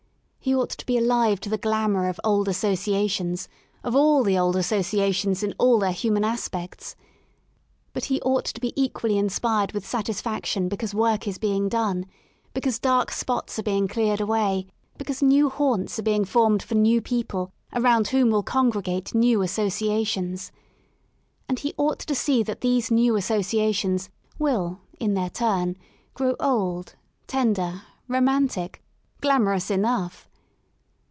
He ought to be alive to the glamour of old associations, of all the old associations in all their human aspects. — But he ought to be equally inspired with satisfaction xiv INTRODUCTORY because work is being done; because dark spots are being cleared away; because new haunts are beings formed for new people around whom will congregate new associations And he ought to see that these new associations will in their turn grow old, tender, romantiCi glamorous enough.